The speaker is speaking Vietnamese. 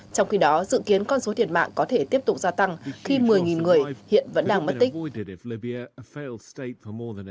trong khi đó dự kiến con số thiệt mạng có thể tiếp tục gia tăng khi một mươi người hiện vẫn đang mất tích